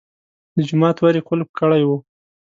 د جومات ور یې قلف کړی و.